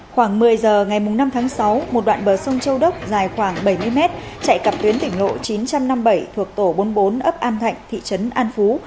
khoảng một mươi giờ ngày năm tháng sáu một đoạn bờ sông châu đốc dài khoảng bảy mươi mét chạy cặp tuyến tỉnh lộ chín trăm năm mươi bảy thuộc tổ bốn mươi bốn ấp an thạnh thị trấn an phú